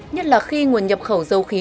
nhất là khi nguồn nhập khẩu dầu khí